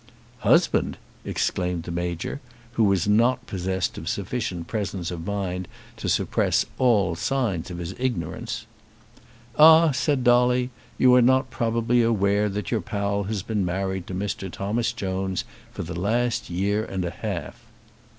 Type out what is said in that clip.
"Husband!" exclaimed the Major; who was not possessed of sufficient presence of mind to suppress all signs of his ignorance. "Ah," said Dolly; "you are not probably aware that your pal has been married to Mr. Thomas Jones for the last year and a half."